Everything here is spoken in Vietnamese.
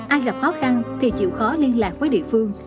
ai gặp khó khăn thì chịu khó liên lạc với địa phương